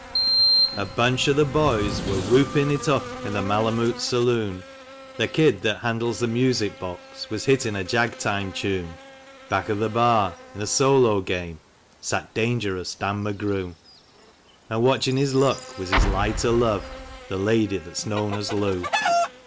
A Buxcii of the boys were whooping it up in the Malamute saloon; The kid that handles the music box was hitting a jag time tune; Back of the bar, in a solo game, sat Dangerous Dan McGrew, And watching his luck was his light o" love, the lad}' that's known as Lou.